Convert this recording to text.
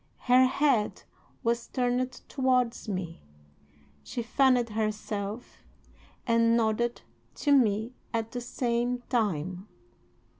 Her head was turned towards me. She fanned herself and nodded to me at the same time.